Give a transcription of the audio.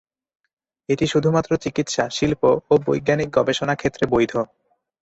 এটি শুধুমাত্র চিকিৎসা, শিল্প ও বৈজ্ঞানিক গবেষণা ক্ষেত্রে বৈধ।